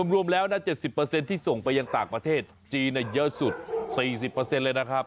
รวมแล้วนะ๗๐ที่ส่งไปยังต่างประเทศจีนเยอะสุด๔๐เลยนะครับ